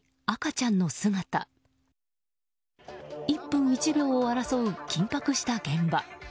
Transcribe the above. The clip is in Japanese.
１分１秒を争う緊迫した現場。